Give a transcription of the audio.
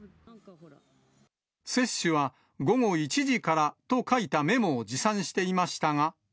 接種は午後１時からと書いたメモを持参していましたが。